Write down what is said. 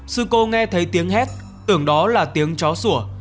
sư cô nghe thấy tiếng hát tưởng đó là tiếng chó sủa